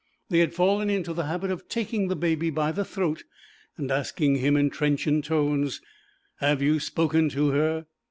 They had fallen into the habit of taking the Baby by the throat and asking him in trenchant tones, 'Have you spoken to her?'